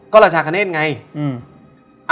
ก็ราชาคเนสไงอืม